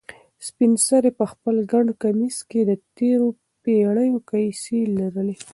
سپین سرې په خپل ګڼ کمیس کې د تېرو پېړیو کیسې لرلې.